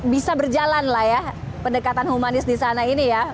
bisa berjalan lah ya pendekatan humanis di sana ini ya